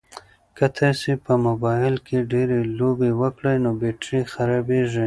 که تاسي په موبایل کې ډېرې لوبې وکړئ نو بېټرۍ خرابیږي.